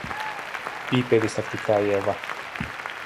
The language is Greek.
είπε διστακτικά η Εύα.